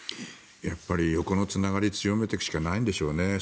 やっぱり横のつながりを強めていくしかないでしょうね。